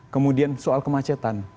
kemudian soal kemacetan